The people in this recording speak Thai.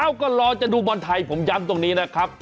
ก็รอจะดูบอลไทยผมย้ำตรงนี้นะครับ